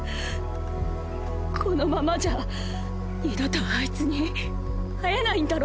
このままじゃ二度とあいつに会えないんだろ？